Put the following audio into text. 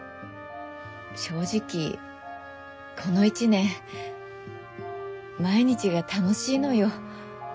正直この１年毎日が楽しいのよ。